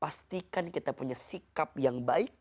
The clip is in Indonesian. pastikan kita punya sikap yang baik